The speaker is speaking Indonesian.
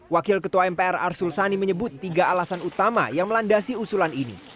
wakil ketua mpr arsul sani menyebut tiga alasan utama yang melandasi usulan ini